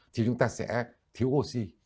thì chúng ta sẽ thiếu oxy